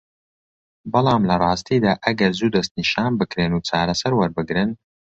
بەڵام لە راستیدا ئەگەر زوو دەستنیشان بکرێن و چارەسەر وەربگرن